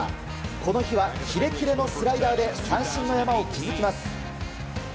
この日はキレキレのスライダーで三振の山を築きます。